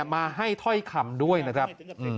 มาให้ถ้อยคำด้วยนะครับ